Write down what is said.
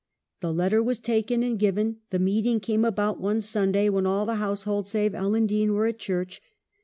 The letter was taken and given ; the meeting came about one Sunday when all the household save Ellen Dean were at church.